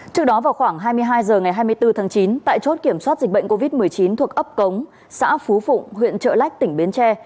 trước đó vào khoảng hai mươi hai h ngày hai mươi bốn tháng chín tại chốt kiểm soát dịch bệnh covid một mươi chín thuộc ấp cống xã phú phụng huyện trợ lách tỉnh bến tre